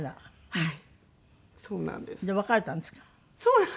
はい。